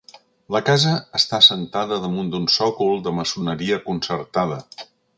La casa està assentada damunt d'un sòcol de maçoneria concertada.